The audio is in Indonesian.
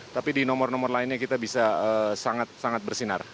tapi di nomor nomor lainnya kita bisa sangat sangat bersinar